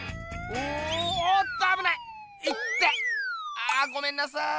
あごめんなさい。